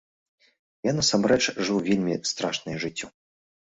Я, насамрэч, жыў вельмі страшнае жыццё.